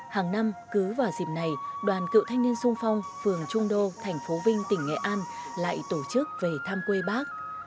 hàng năm cứ vào dịp này đoàn cựu thanh niên sung phong phường trung đô thành phố vinh tỉnh nghệ an lại tổ chức về thăm quê bác